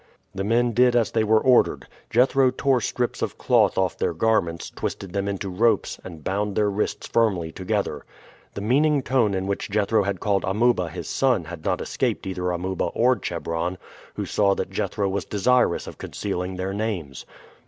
The men did as they were ordered. Jethro tore strips of cloth off their garments, twisted them into ropes, and bound their wrists firmly together. The meaning tone in which Jethro had called Amuba his son had not escaped either Amuba or Chebron, who saw that Jethro was desirous of concealing their names.